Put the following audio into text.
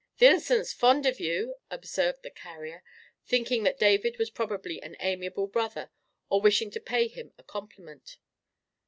"Th' innicent's fond on you," observed the carrier, thinking that David was probably an amiable brother, and wishing to pay him a compliment.